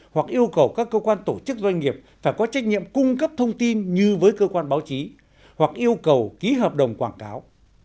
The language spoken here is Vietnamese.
hoặc yêu cầu các cơ quan tổ chức doanh nghiệp phải có trách nhiệm cung cấp thông tin như với cơ quan báo chí hoặc yêu cầu ký hợp đồng quảng cáo